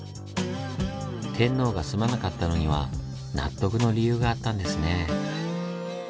天皇が住まなかったのには納得の理由があったんですねぇ。